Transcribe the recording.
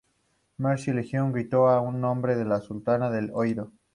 Mercy Lewis gritó: "Hay un hombre que le susurra al oído".